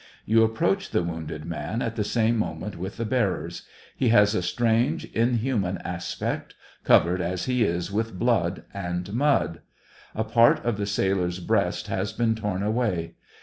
You approach the wounded man, at the same moment with the bearers ; he has a strange, inhuman aspect, covered as he is with blood and mud. A part of the sailor's breast has been torn away.